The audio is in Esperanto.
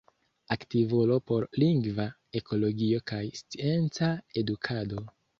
Aktivulo por lingva ekologio kaj scienca edukado.